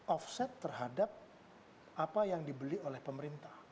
offset terhadap apa yang dibeli oleh pemerintah